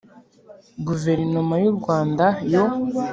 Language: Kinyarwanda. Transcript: guverinoma y u rwanda yo